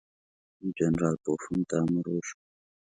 جنرال پوفم ته امر وشو.